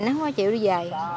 nó không có chịu đi về